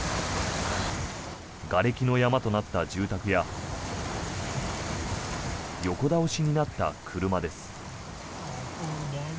がれきの山となった住宅や横倒しになった車です。